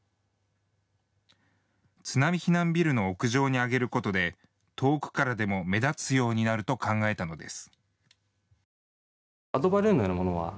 津波避難ビルの屋上に上げることで遠くからでも目立つようになると考えたのです。